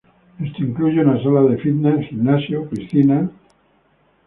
Esto incluye una sala de fitness, gimnasio, piscina...